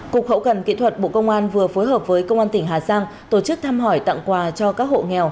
cục hậu cần kỹ thuật bộ công an vừa phối hợp với công an tỉnh hà giang tổ chức thăm hỏi tặng quà cho các hộ nghèo